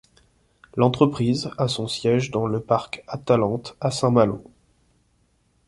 L'entreprise à son siège dans le parc Atalante à Saint-Malo.